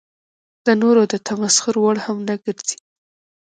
د نورو د تمسخر وړ هم نه ګرځي.